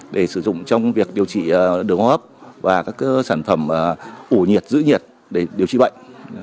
để sử dụng trong việc điều trị đường hấp và các sản phẩm ủ nhiệt giữ nhiệt để điều trị bệnh